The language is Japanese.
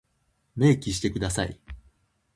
明記してください。